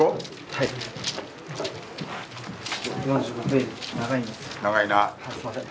はいすんません。